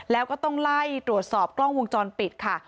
แล้วก็ต้องไล่ตรวจสอบกล้องวงจรปิดค่ะ